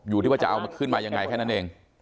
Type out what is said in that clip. อยู่ที่ว่าจะเอาขึ้นมายังไงแค่นั้นเอง